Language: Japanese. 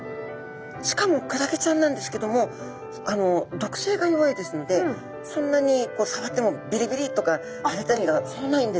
しかもクラゲちゃんなんですけども毒性が弱いですのでそんなにさわってもびりびりとかはれたりがそうないんですね。